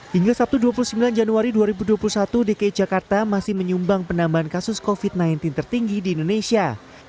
hingga sabtu dua puluh sembilan januari dua ribu dua puluh satu dki jakarta masih menyumbang penambahan kasus covid sembilan belas tertinggi di indonesia